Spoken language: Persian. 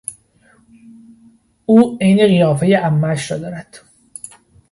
او عین قیافهی عمهاش را دارد.